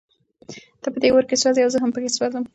ته په دې اور کې سوزې او زه هم پکې سوزم.